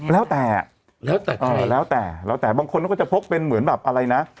แล้วแต่แล้วแต่แล้วแต่แล้วแต่บางคนเขาก็จะพกเป็นเหมือนแบบอะไรนะ